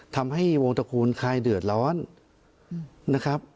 ทำให้วงตระกูลคลายเดือดร้อนนะครับ